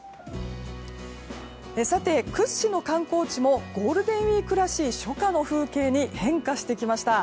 屈指の観光地もゴールデンウィークらしい初夏の風景に変化してきました。